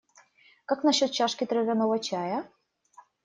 Как насчет чашки травяного чая?